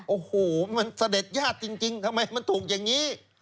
โอ้โหมันเสด็จญาติจริงทำไมมันถูกอย่างนี้